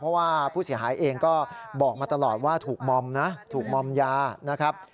เพราะว่าผู้เสียหายเองก็บอกมาตลอดว่าถูกมอมนะถูกมอมยานะครับ